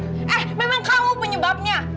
eh memang kamu penyebabnya